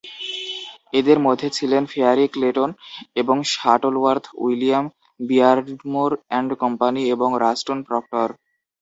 এদের মধ্যে ছিলেন ফেয়ারি, ক্লেটন ও Shuttleworth, William Beardmore and company এবং রাস্টন প্রক্টর।